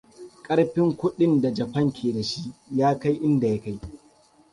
Ƙarfin kuɗin da Japan ke da shi ya kai inda ya kai.